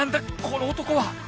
この男は！